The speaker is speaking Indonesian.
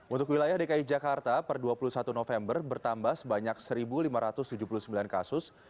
untuk wilayah dki jakarta per dua puluh satu november bertambah sebanyak satu lima ratus tujuh puluh sembilan kasus